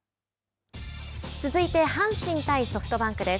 続いて阪神対ソフトバンクです。